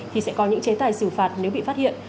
thì sẽ có những chế tài xử phạt nếu bị phát hiện